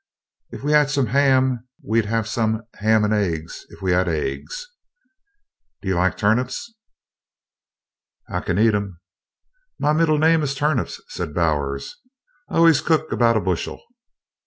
"If we had some ham we'd have some ham and eggs if we had eggs. Do you like turnips?" "I kin eat 'em." "My middle name is 'turnips,'" said Bowers. "I always cooks about a bushel!"